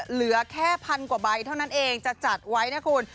เหลือแค่พันกว่าใบเท่านั้นเองจะจัดไว้นะคุณ